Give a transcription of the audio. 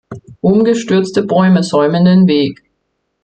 Umgestürzte Bäume säumen den Weg.